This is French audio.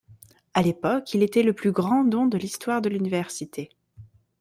À l'époque, il était le plus grand don de l'histoire de l'université.